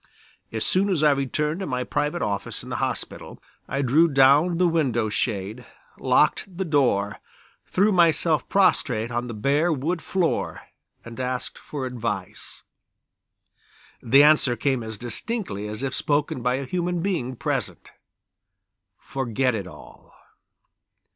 As soon as I returned to my private office in the hospital, I drew down the window shade, locked the door, threw myself prostrate on the bare wood floor and asked for advice. The answer came as distinctly as if spoken by a human being present: "Forget it all."